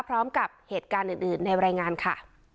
พร้อมกับเหตุการณ์อื่นในรายงานค่ะ